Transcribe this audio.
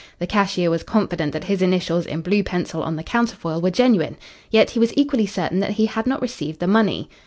The cashier was confident that his initials in blue pencil on the counterfoil were genuine. Yet he was equally certain that he had not received the money.